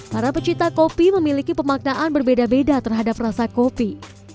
para pecinta kopi memiliki pemaknaan berbeda beda terhadap rasa kopi